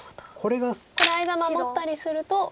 これ間守ったりすると。